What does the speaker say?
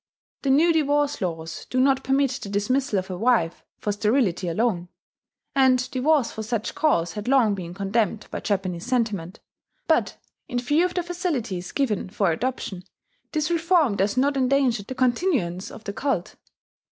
The new divorce laws do not permit the dismissal of a wife for sterility alone (and divorce for such cause had long been condemned by Japanese sentiment); but, in view of the facilities given for adoption, this reform does not endanger the continuance of the cult.